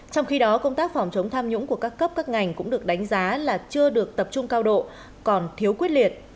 trong khi đó công tác phòng chống tham nhũng của các cấp các ngành cũng được đánh giá là chưa được tập trung cao độ còn thiếu quyết liệt